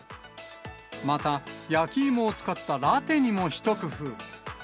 また焼き芋を使ったラテにも一工夫。